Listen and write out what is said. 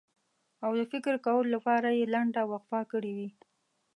او د فکر کولو لپاره یې لنډه وقفه کړې وي.